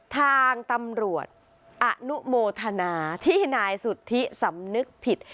ทางตำรวจอนุโมทนาที่นายสุธิสำนึกผิด